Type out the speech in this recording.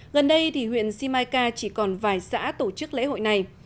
gần đây huyện simaika chỉ còn vài xã tổ chức lễ hội này